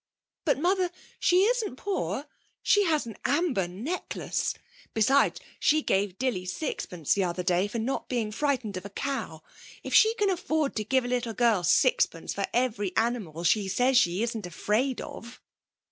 'But, Mother, she isn't poor. She has an amber necklace. Besides, she gave Dilly sixpence the other day for not being frightened of a cow. If she can afford to give a little girl sixpence for every animal she says she isn't afraid of!'...